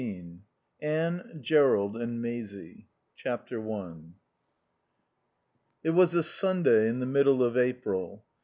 XV ANNE, JERROLD, AND MAISIE i It was a Sunday in the middle of April.